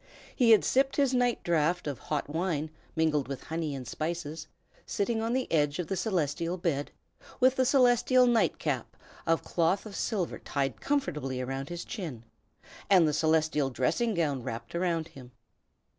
He had sipped his night draught of hot wine mingled with honey and spices, sitting on the edge of the Celestial Bed, with the Celestial Nightcap of cloth of silver tied comfortably under his chin, and the Celestial Dressing gown wrapped around him.